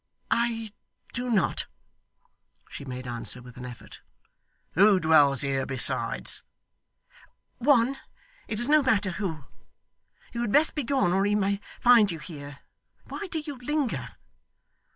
'I do not,' she made answer with an effort. 'Who dwells here besides?' 'One it is no matter who. You had best begone, or he may find you here. Why do you linger?